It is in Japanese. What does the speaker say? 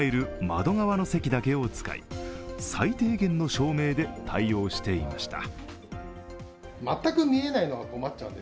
窓側の席だけを使い最低限の照明で対応していました。